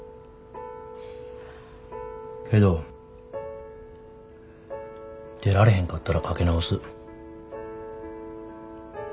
けど出られへんかったらかけ直す。